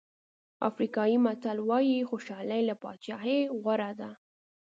افریقایي متل وایي خوشالي له بادشاهۍ غوره ده.